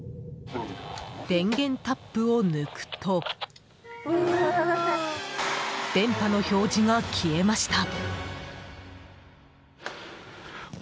電源タップを抜くと電波の表示が消えました。